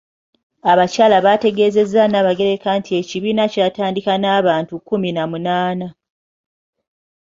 Abakyala baategeezezza Nabagereka nti ekibiina kyatandika n'abantu kkumi na munaana.